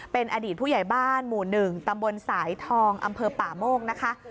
เป็นอดีตผู้ใหญ่บ้านหมู่๑ตำบลสายทองอำเภอป่าโมกนะคะ